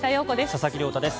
佐々木亮太です。